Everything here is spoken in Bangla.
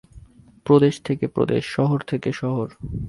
প্রদেশ থেকে প্রদেশ, শহর থেকে শহর।